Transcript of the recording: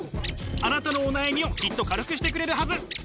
あなたのお悩みをきっと軽くしてくれるはず。